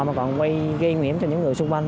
mà còn gây nguy hiểm cho những người xung quanh